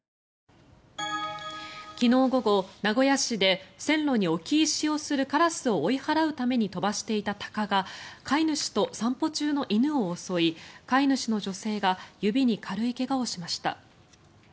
昨日午後、名古屋市で線路に置き石をするカラスを追い払うために飛ばしていたタカが飼い主と散歩中の犬を襲い飼い主の女性が指に軽い怪我をしました。